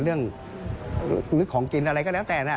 คุณผู้ชมฟังเสียงเจ้าอาวาสกันหน่อยค่ะ